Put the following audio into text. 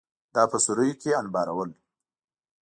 دا په سوریو کې انبارول